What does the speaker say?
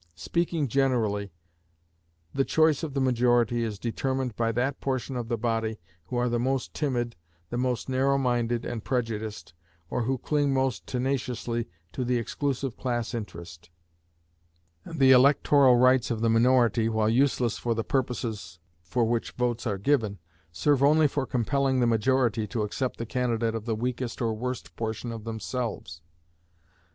Speaking generally, the choice of the majority is determined by that portion of the body who are the most timid, the most narrow minded and prejudiced, or who cling most tenaciously to the exclusive class interest; and the electoral rights of the minority, while useless for the purposes for which votes are given, serve only for compelling the majority to accept the candidate of the weakest or worst portion of themselves.